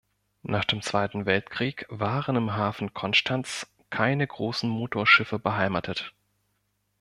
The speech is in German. Nach dem Zweiten Weltkrieg waren im Hafen Konstanz keine großen Motorschiffe beheimatet.